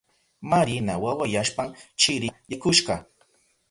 Marina wawayashpan chirika yaykushka.